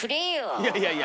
いやいやいや。